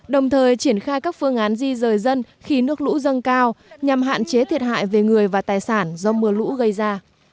đồng thời triển khai các phương án di rời dân khi nước lũ dâng cao nhằm hạn chế thiệt hại về người và tài sản do mưa lũ gây ra